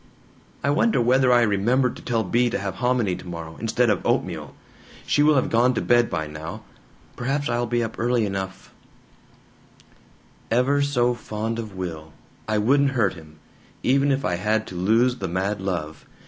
"I wonder whether I remembered to tell Bea to have hominy tomorrow, instead of oatmeal? She will have gone to bed by now. Perhaps I'll be up early enough "Ever so fond of Will. I wouldn't hurt him, even if I had to lose the mad love.